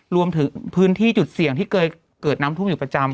รวมถึงพื้นที่จุดเสี่ยงที่เคยเกิดน้ำท่วมอยู่ประจำ